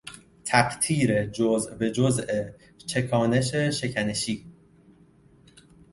تقطیر جز به جز، چکانش شکنشی